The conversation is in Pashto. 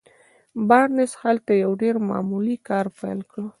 بارنس هلته يو ډېر معمولي کار پيل کړ.